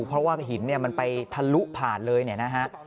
เพราะว่าหินมันไปทะลุผ่านเลยนะฮะ